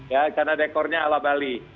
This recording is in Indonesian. ya karena dekornya ala bali